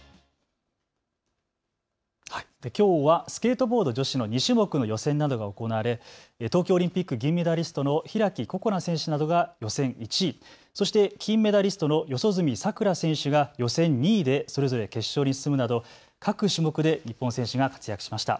きょうはスケートボード女子の２種目の予選などが行われ東京オリンピック銀メダリストの開心那選手などが予選１位、そして金メダリストの四十住さくら選手が予選２位でそれぞれ決勝に進むなど各種目で日本選手が活躍しました。